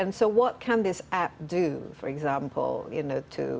jadi apa yang bisa diberikan aplikasi ini